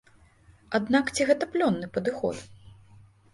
Аднак ці гэта плённы падыход?